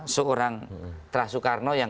seorang tra sukarno yang